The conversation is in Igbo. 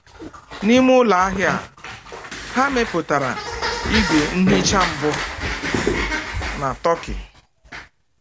N'ime ụlọ ahịa a, ha mepụtara igwe nhicha mbụ na Turkey.